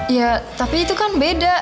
iya tapi itu kan beda